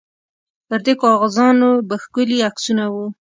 پر دې کاغذانو به ښکلي عکسونه وو.